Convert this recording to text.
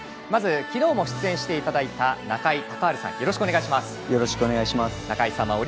まず、昨日も出演していただいた中井孝治さん。